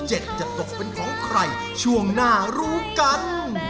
จะตกเป็นของใครช่วงหน้ารู้กัน